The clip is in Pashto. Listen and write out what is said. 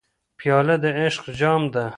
پیاله د عشق جام ده.